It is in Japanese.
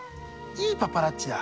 いいパパラッチだ。